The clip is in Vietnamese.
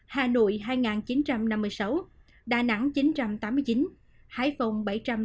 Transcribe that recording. hà nội hai chín trăm năm mươi sáu đà nẵng chín trăm tám mươi chín hải phòng bảy trăm linh bốn